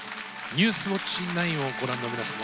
「ニュースウオッチ９」をご覧の皆様